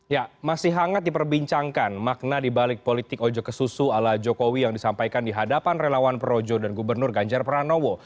ya masih hangat diperbincangkan makna dibalik politik ojo kesusu ala jokowi yang disampaikan di hadapan relawan projo dan gubernur ganjar pranowo